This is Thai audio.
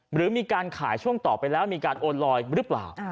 หรือมีการขายช่วงต่อไปแล้วมีการโอนลอยหรือเปล่า